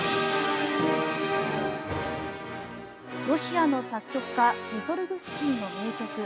ロシアの作曲家ムソルグスキーの名曲